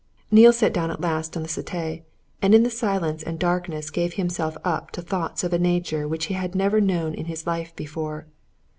Neale sat down at last on the settee, and in the silence and darkness gave himself up to thoughts of a nature which he had never known in his life before.